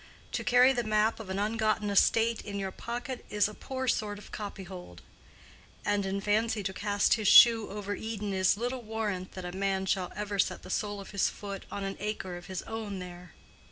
To carry the map of an ungotten estate in your pocket is a poor sort of copyhold. And in fancy to cast his shoe over Eden is little warrant that a man shall ever set the sole of his foot on an acre of his own there.